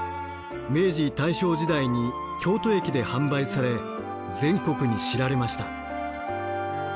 明治・大正時代に京都駅で販売され全国に知られました。